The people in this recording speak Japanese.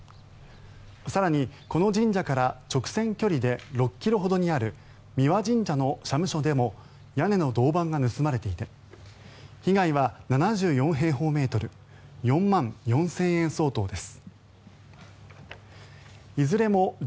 更に、この神社から直線距離で６ｋｍほどにある三輪神社の社務所でも屋根の銅板が盗まれていて被害は７４平方メートル４万４０００円相当です。